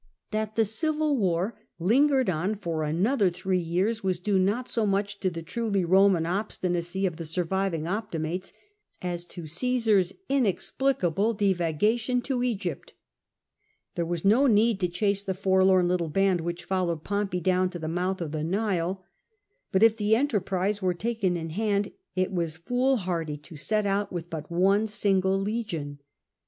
That the Civil War lingered on for another three years was due not so much to the truly Roman obstinacy of the surviving Optimates, as to CoDsai^'s inexplicable divaga tion to Egypt, ll^here was no need to chase the forlorn little band which followed Pompey down to the mouth of the Nile ; but if the enterprise were taken in hand, it was foolhardy to set with but one single legion.